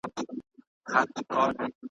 په خپل حسن وه مغروره خانتما وه .